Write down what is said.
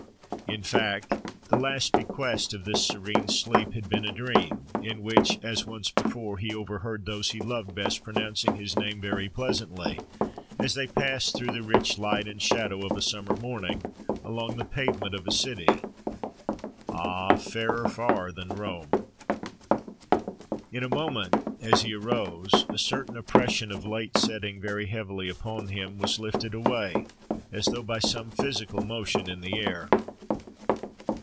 In fact, the last bequest of this serene sleep had been a dream, in which, as once before, he overheard those he loved best pronouncing his name very pleasantly, as they passed through the rich light and shadow of a summer morning, along the pavement of a city—Ah! fairer far than Rome! In a moment, as he arose, a certain oppression of late setting very heavily upon him was lifted away, as though by some physical motion in the air.